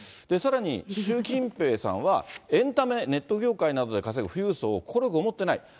さらに、習近平さんは、エンタメ、ネット業界などで稼ぐ富裕層を快く思ってない。